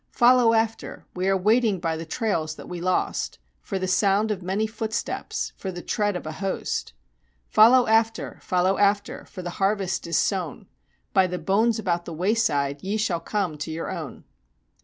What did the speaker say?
Follow after we are waiting by the trails that we lost For the sound of many footsteps, for the tread of a host. "Follow after follow after for the harvest is sown: By the bones about the wayside ye shall come to your own!"